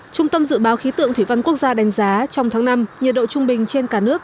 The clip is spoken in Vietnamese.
trung tâm dự báo khí tượng thủy văn quốc gia đánh giá trong tháng năm nhiệt độ trung bình trên cả nước